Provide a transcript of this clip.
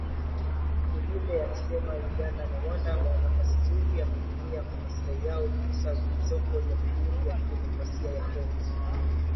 Mugume alisema Uganda na Rwanda wana nafasi nzuri ya kutumia kwa maslahi yao fursa zilizoko Jamhuri ya Kidemokrasia ya Kongo.